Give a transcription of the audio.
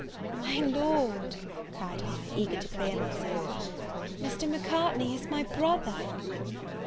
"My Lord," cried I, eager to clear myself, "Mr. Macartney is my brother."